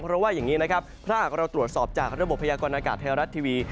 เพราะว่าอย่างนี้นะครับถ้าหากเราตรวจสอบจากระบบพยากรณากาศไทยรัฐทีวี